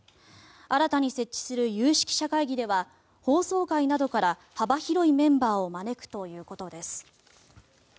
新たに設置する有識者会議では法曹界などから幅広いメンバーを招くということです。